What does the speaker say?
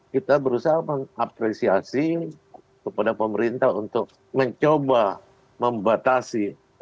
kita berusaha mengapresiasi kepada pemerintah untuk mencoba membatasi